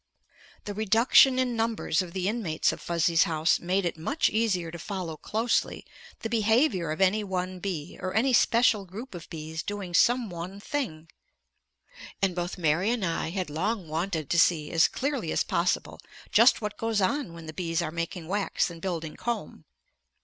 The reduction in numbers of the inmates of Fuzzy's house made it much easier to follow closely the behavior of any one bee, or any special group of bees doing some one thing. And both Mary and I had long wanted to see as clearly as possible just what goes on when the bees are making wax and building comb.